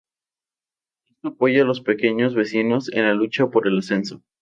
Esto apoya los pequeños vecinos en la lucha por el ascenso.